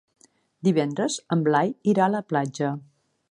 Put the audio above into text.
Divendres en Blai irà a la platja.